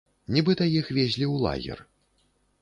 Нібыта іх везлі ў лагер.